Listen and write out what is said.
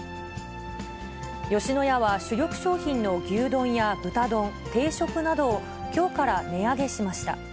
吉野家は主力商品の牛丼や豚丼、定食などをきょうから値上げしました。